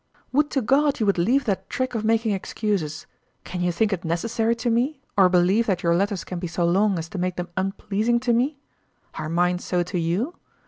Would to God you would leave that trick of making excuses! Can you think it necessary to me, or believe that your letters can be so long as to make them unpleasing to me? Are mine so to you?